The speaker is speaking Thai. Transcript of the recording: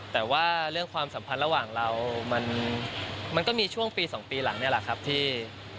แต่ว่าเรื่องความสัมพันธ์ระหว่างเรามันก็มีช่วงปี๒ปีหลังนี่แหละครับที่